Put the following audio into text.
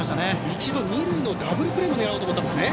一度二塁のダブルプレーを狙おうとしたんですね。